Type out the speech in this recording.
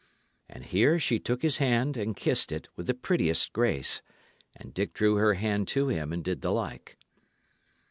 And here she took his hand, and kissed it, with the prettiest grace; and Dick drew her hand to him and did the like.